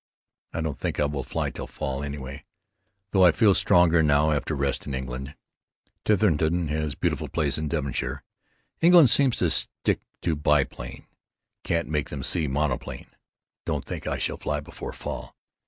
I don't think I will fly till fall, anyway, though I feel stronger now after rest in England, Titherington has beautiful place in Devonshire. England seems to stick to biplane, can't make them see monoplane. Don't think I shall fly before fall.